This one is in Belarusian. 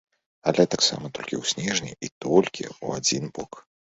Але таксама толькі ў снежні і толькі ў адзін бок.